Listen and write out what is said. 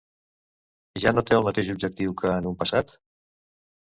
Ja no té el mateix objectiu que en un passat?